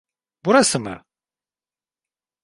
Burası mı?